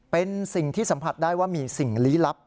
เป็นสิ่งที่สัมผัสได้ว่ามีสิ่งลี้ลับ